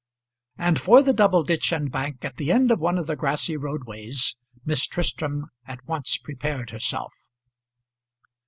And for the double ditch and bank at the end of one of the grassy roadways Miss Tristram at once prepared herself.